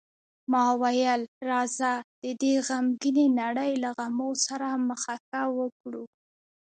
ما وویل: راځه، د دې غمګینې نړۍ له غمو سره مخه ښه وکړو.